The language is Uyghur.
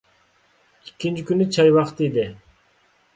ئىككىنچى كۈنى چاي ۋاقتى ئىدى.